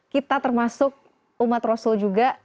kita termasuk umat rasul juga